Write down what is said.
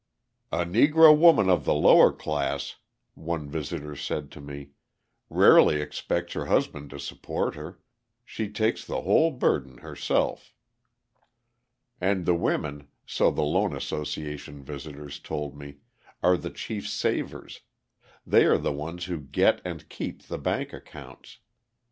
"A Negro woman of the lower class," one visitor said to me, "rarely expects her husband to support her. She takes the whole burden herself." And the women, so the loan association visitors told me, are the chief savers: they are the ones who get and keep the bank accounts.